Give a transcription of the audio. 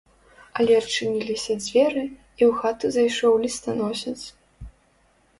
Але адчыніліся дзверы, і ў хату зайшоў лістаносец.